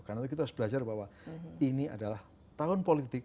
karena kita harus belajar bahwa ini adalah tahun politik